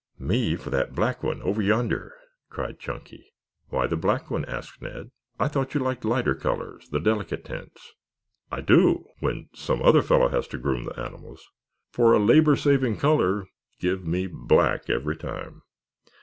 "Me for that black one over yonder," cried Chunky. "Why the black one?" asked Ned. "I thought you liked the lighter colors, the delicate tints?" "I do when some other fellow has to groom the animals. For a labor saving color give me black every time.